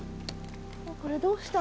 これどうした？